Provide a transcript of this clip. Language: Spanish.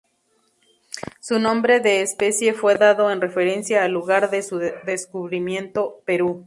Su nombre de especie fue dado en referencia al lugar de su descubrimiento, Perú.